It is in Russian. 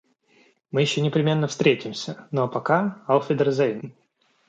Мы ещё непременно встретимся, ну а пока, ауфидерзейн!